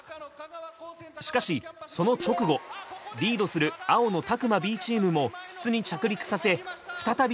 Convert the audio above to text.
しかしその直後リードする青の詫間Ｂチームも筒に着陸させ再び点差を広げます。